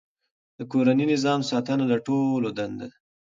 د کورني نظم ساتنه د ټولو دنده ده.